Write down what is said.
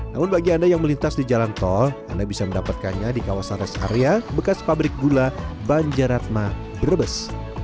namun bagi anda yang melintas di jalan tol anda bisa mendapatkannya di kawasan rest area bekas pabrik gula banjaratma brebes